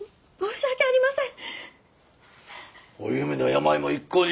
申し訳ありません。